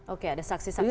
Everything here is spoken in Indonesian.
oke ada saksi saksi ya